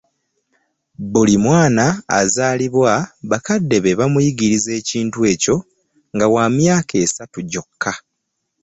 Buli mwana azaalibwa bakadde be bamuyigiriza ekintu ekyo nga wa myaka esatu gyokka.